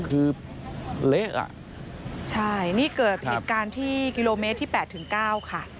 คือเละอ่ะใช่นี่เกิดเหตุการณ์ที่กิโลเมตรที่๘ถึงเก้าค่ะ